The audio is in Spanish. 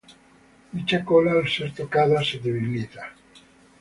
Dicha cola al ser tocada se debilita.